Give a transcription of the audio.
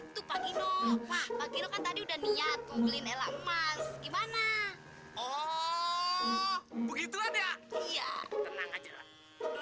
itu pak gino pak gino kan tadi udah niat ngobelin ela emas gimana oh begitu aja iya